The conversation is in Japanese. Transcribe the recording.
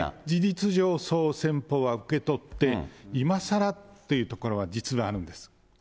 事実上、そう先方は受け取って、いまさらっていうところが、実はあるんです。